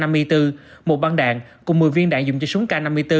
một băng đạn cùng một mươi viên đạn dùng cho súng k năm mươi bốn